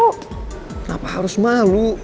kenapa harus malu